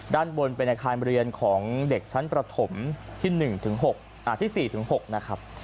ด้านบนเป็นอาคารเมื่อเรียนของเด็กชั้นประถมที่สี่ถึงหกนะครับ